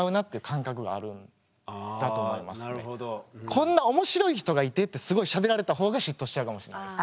「こんな面白い人がいて」ってすごいしゃべられた方が嫉妬しちゃうかもしれないです。